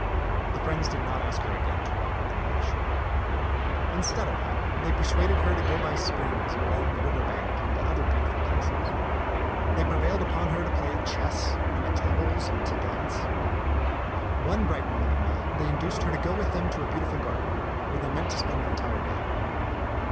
The friends did not ask her again to walk with them by the shore. Instead of that, they persuaded her to go by springs and along the river bank and to other beautiful places. They prevailed upon her to play at chess and tables and to dance. One bright morning in May they induced her to go with them to a beau tiful garden where they meant to spend the entire day.